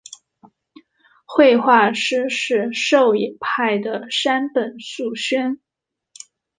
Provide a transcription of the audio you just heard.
绘画师事狩野派的山本素轩。